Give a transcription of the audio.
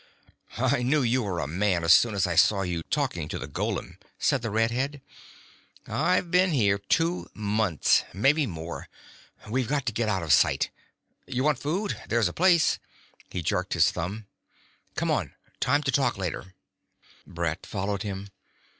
"I knew you were a man as soon as I saw you talking to the golem," said the red head. "I've been here two months; maybe more. We've got to get out of sight. You want food? There's a place ..." He jerked his thumb. "Come on. Time to talk later." Brett followed him.